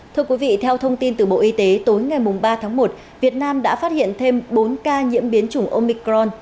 thưa quý vị theo thông tin từ bộ y tế tối ngày ba tháng một việt nam đã phát hiện thêm bốn ca nhiễm biến chủng omicron